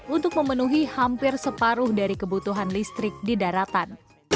untuk memenuhi hampir separuh dari kebutuhan listrik di daratan